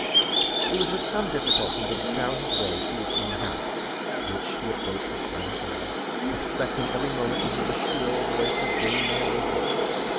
It was with some difficulty that he found the way to his own house, which he approached with silent awe, expecting every moment to hear the shrill voice of Dame Van Winkle.